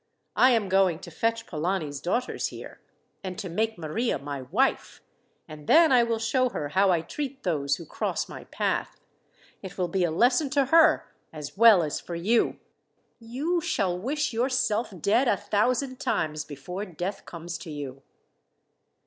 I am going to fetch Polani's daughters here, and to make Maria my wife, and then I will show her how I treat those who cross my path. It will be a lesson to her, as well as for you. You shall wish yourself dead a thousand times before death comes to you."